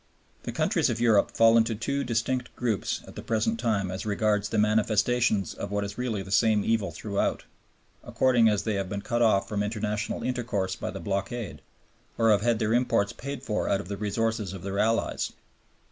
The countries of Europe fall into two distinct groups at the present time as regards their manifestations of what is really the same evil throughout, according as they have been cut off from international intercourse by the Blockade, or have had their imports paid for out of the resources of their allies.